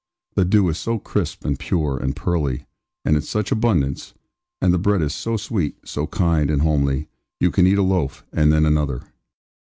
The dew is so crisp, and pure, and pearly, and in such abundance; and the bread is so sweet, so kind, and homely, you can eat a loaf, and then another.